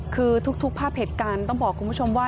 คือทุกภาพเหตุการณ์ต้องบอกคุณผู้ชมว่า